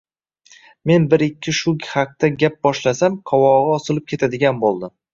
Men bir-ikki shu haqda gap boshlasam, qovog'i osilib ketadigan bo'ldi